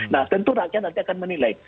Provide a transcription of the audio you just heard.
nah tentu rakyat nanti akan menilai